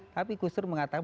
tapi gustur mengatakan